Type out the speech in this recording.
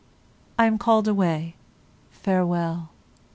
I am called away, farewell!